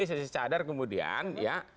saya sadar kemudian ya